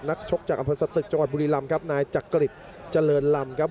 นักชกจากอัมพศตริกจังหวัดบุรีลำครับนายจักริตเจริญลำครับ